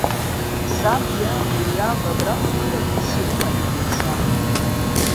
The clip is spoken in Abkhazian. Саб иаб, уи иаб абраҟа гыларҭас ирыман, – иҳәеит саб.